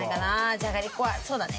じゃがりこそうだね。